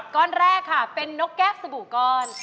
ก้อนแรกค่ะเป็นนกแก้วสบู่ก้อน